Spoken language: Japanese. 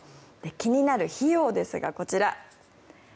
気になる費用ですが、こちら。